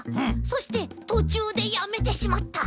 そしてとちゅうでやめてしまった！